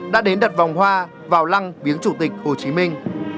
đã đến đặt vòng hoa vào lăng viếng chủ tịch hồ chí minh